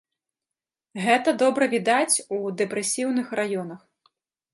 Гэта добра відаць у дэпрэсіўных раёнах.